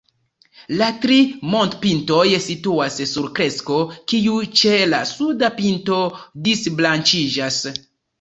La tri montopintoj situas sur kresto, kiu ĉe la suda pinto disbranĉiĝas.